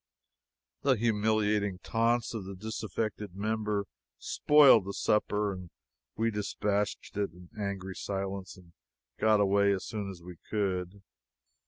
The humiliating taunts of the disaffected member spoiled the supper, and we dispatched it in angry silence and got away as soon as we could.